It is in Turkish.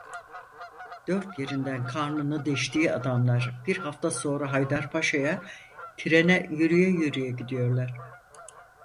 Dört yerinden karnını deştiği adamlar bir hafta sonra Haydarpaşa'ya, trene yürüye yürüye gidiyorlar.